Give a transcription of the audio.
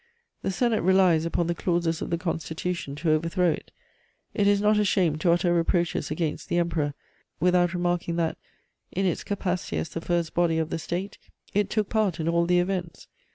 The Senate relies upon the clauses of the Constitution to overthrow it; it is not ashamed to utter reproaches against the Emperor, without remarking that, in its capacity as the first body of the State, it took part in all the events.